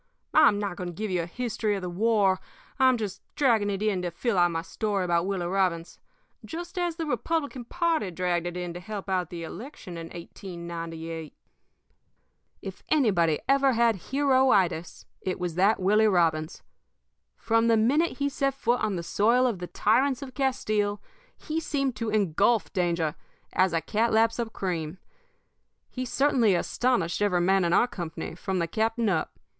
I'm not going to give you a history of the war, I'm just dragging it in to fill out my story about Willie Robbins, just as the Republican party dragged it in to help out the election in 1898. "If anybody ever had heroitis, it was that Willie Robbins. From the minute he set foot on the soil of the tyrants of Castile he seemed to engulf danger as a cat laps up cream. He certainly astonished every man in our company, from the captain up.